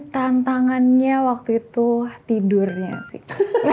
tantangannya waktu itu tidurnya sih